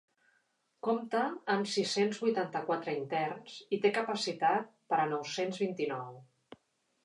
Compta amb sis-cents vuitanta-quatre interns i té capacitat per a nou-cents vint-i-nou.